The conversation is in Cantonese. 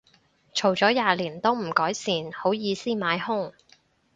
嘈咗廿年都唔改善，好意思買兇